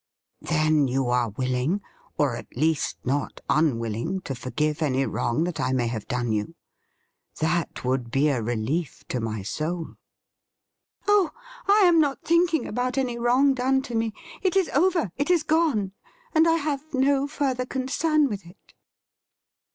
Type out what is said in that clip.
' Then, you are willing — or, at least, not unwilling > to forgive any wrong that I may have done you? That would be a relief to my soul.' ' Oh, I am not thinking about any wrong done to me. It is over — it is gone — and I have no further concern with it.'